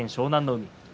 海。